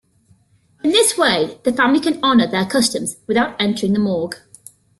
In this way, the family can honor their customs without entering the morgue.